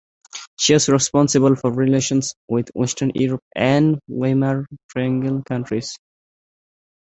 She was responsible for relations with Western Europe and Weimar Triangle countries.